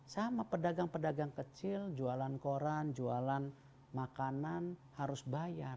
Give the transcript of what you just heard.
sama pedagang pedagang kecil jualan koran jualan makanan harus bayar